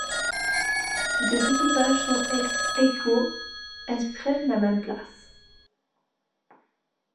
Si deux équipages sont ex-æquo, elles prennent la même place.